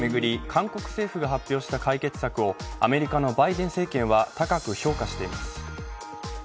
韓国政府が発表した解決策をアメリカのバイデン政権は高く評価しています。